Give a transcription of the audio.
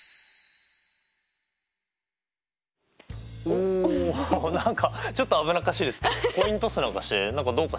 お何かちょっと危なっかしいですけどコイントスなんかして何かどうかしたんですか？